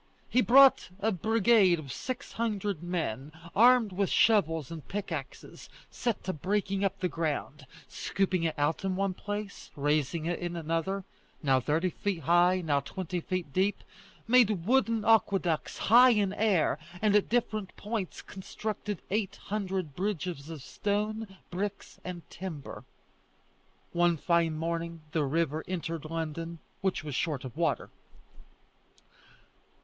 He brought a brigade of six hundred men, armed with shovels and pickaxes; set to breaking up the ground, scooping it out in one place, raising it in another now thirty feet high, now twenty feet deep; made wooden aqueducts high in air; and at different points constructed eight hundred bridges of stone, bricks, and timber. One fine morning the river entered London, which was short of water.